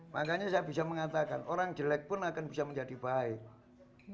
makanya saya bisa mengatakan orang jelek pun akan bisa menjadi baik